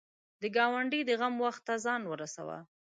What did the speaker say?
د ګاونډي د غم وخت ته ځان ورسوه